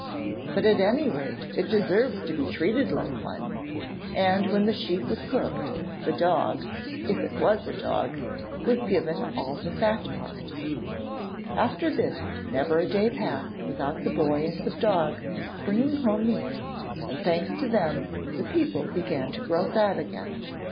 But at any rate, it deserves to be treated like one,' and when the sheep was cooked, the dog if it was a dog was given all the fat part. After this, never a day passed without the boy and the dog bringing home meat, and thanks to them the people began to grow fat again.